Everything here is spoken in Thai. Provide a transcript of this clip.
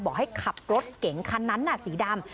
บอกให้ขับรถเก๋งคันนั้นสีดำ